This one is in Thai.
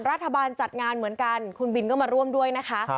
รัฐบาลจัดงานเหมือนกันคุณบินก็มาร่วมด้วยนะคะ